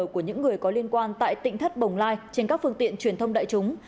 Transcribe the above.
của những người có liên quan tại tỉnh thất bồng lai trên các phương tiện truyền thông đại chúng